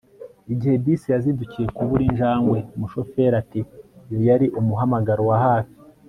Igihe bisi yazindukiye kubura injangwe umushoferi ati Iyo yari umuhamagaro wa hafi